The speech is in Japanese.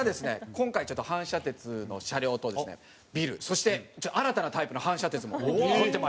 今回ちょっと反射鉄の車両とですねビルそして新たなタイプの反射鉄も撮ってまいりました。